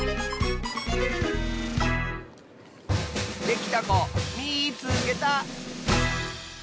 できたこみいつけた！